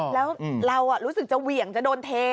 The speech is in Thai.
แล้วเรารู้สึกจะเหวี่ยงจะโดนเท